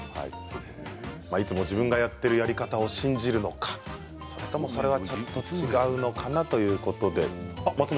いつも自分がやっているやり方を信じるのかでもそれはちょっと違うのかなということで。